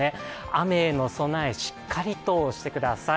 雨への備え、しっかりとしてください。